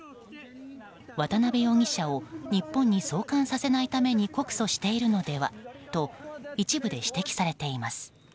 渡辺容疑者を日本に送還させないために告訴しているのではと一部で指摘されています。